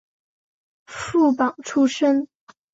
副榜出身。